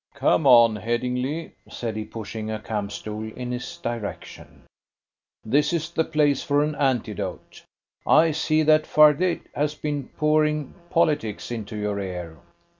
"Come on, Headingly," said he, pushing a camp stool in his direction. "This is the place for an antidote. I see that Fardet has been pouring politics into your ear."